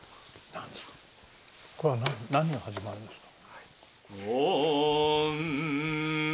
これは何が始まるんですか？